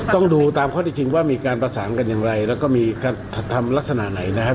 ต้องดูตามข้อที่จริงว่ามีการประสานกันอย่างไรแล้วก็มีการทำลักษณะไหนนะครับ